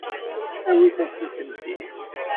Awit-asent-tent-id.